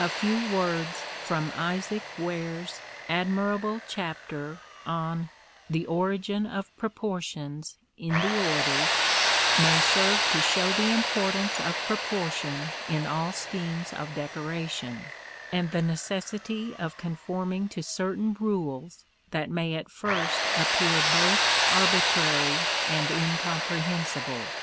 A few words from Isaac Ware's admirable chapter on "The Origin of Proportions in the Orders" may serve to show the importance of proportion in all schemes of decoration, and the necessity of conforming to certain rules that may at first appear both arbitrary and incomprehensible.